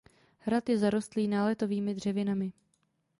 Hrad je zarostlý náletovými dřevinami.